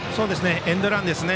エンドランですね。